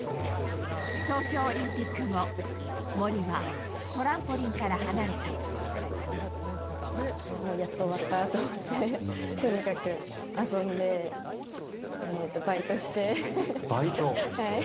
東京オリンピック後、森は、もう、やっと終わったーと思って、とにかく遊んで、バイトして。